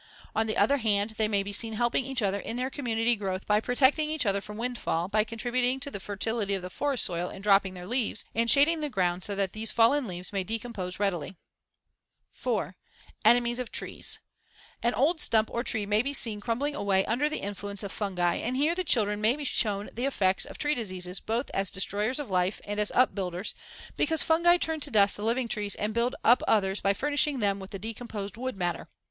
On the other hand they may be seen helping each other in their community growth by protecting each other from windfall and by contributing to the fertility of the forest soil in dropping their leaves and shading the ground so that these fallen leaves may decompose readily. [Illustration: FIG. 154. Trees also Grow in Communities.] 4. Enemies of trees: An old stump or tree may be seen crumbling away under the influence of fungi and here the children may be shown the effects of tree diseases both as destroyers of life and as up builders, because fungi turn to dust the living trees and build up others by furnishing them with the decomposed wood matter.